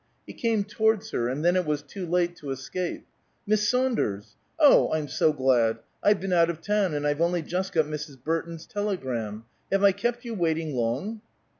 He came towards her, and then it was too late to escape. "Miss Saunders? Oh, I'm so glad! I've been out of town, and I've only just got Mrs. Burton's telegram. Have I kept you waiting long?"